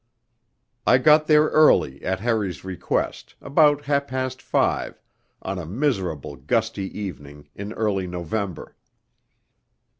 I got there early, at Harry's request, about half past five, on a miserable gusty evening in early November.